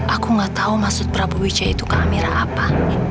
aku gak tahu maksud prabu wijaya itu ke amira apa